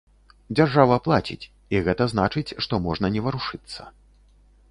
Дзяржава плаціць, і гэта значыць, што можна не варушыцца.